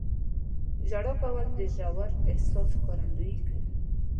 • ژړا کول د ژور احساس ښکارندویي کوي.